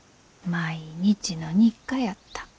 毎日の日課やった。